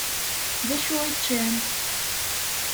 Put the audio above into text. Dacu i ččan?